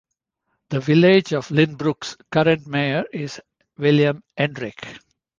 The Village of Lynbrook's current mayor is William Hendrick.